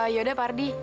yaudah pak ardi